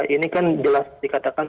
ini kan jelas dikatakan